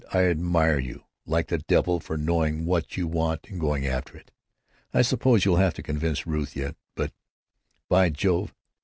I admire you like the devil for knowing what you want and going after it. I suppose you'll have to convince Ruth yet, but, by Jove!